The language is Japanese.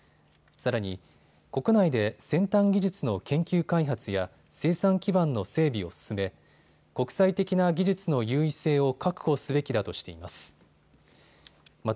さらに、国内で先端技術の研究開発や生産基盤の整備を進め国際的な技術の優位性を確保すべきだとしています。